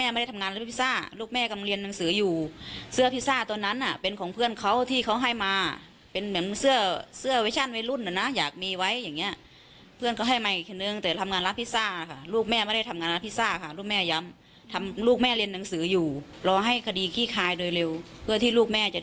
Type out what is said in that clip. วิทยาลัยปราศนาภาคภูมิหน้าเศรษฐการแม่